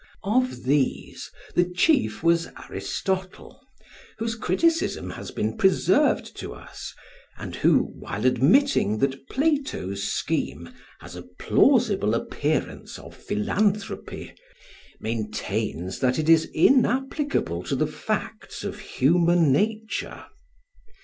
Of these, the chief was Aristotle, whose criticism has been preserved to us, and who, while admitting that Plato's scheme has a plausible appearance of philanthropy, maintains that it is inapplicable to the facts of human nature.